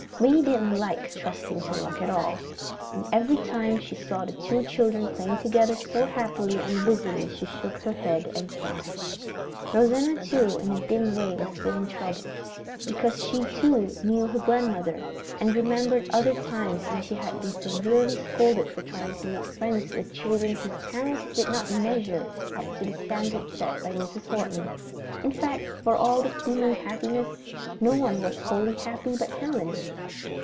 Minnie didn't like "trusting to luck" at all; and every time she saw the two children playing together so happily and busily she shook her head and sighed. Rosanna, too, in a dim way was feeling troubled, because she too knew her grandmother, and remembered other times when she had been severely scolded for trying to make friends with children whose parents did not measure up to the standard set by Mrs. Horton. In fact, for all the seeming happiness, no one was wholly happy but Helen!